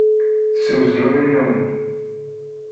Teswezleḍ inaw-nni.